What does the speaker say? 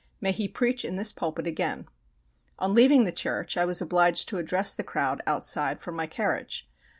May he preach in this pulpit again!" On leaving his church I was obliged to address the crowd outside from my carriage.